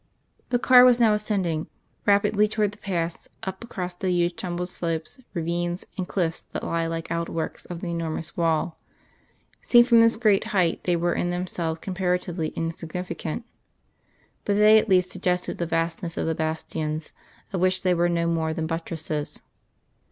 The car was now ascending; rapidly towards the pass up across the huge tumbled slopes, ravines, and cliffs that lie like outworks of the enormous wall. Seen from this great height they were in themselves comparatively insignificant, but they at least suggested the vastness of the bastions of which they were no more than buttresses.